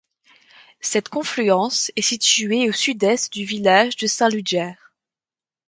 Cette confluence est situé au sud-est du village de Saint-Ludger.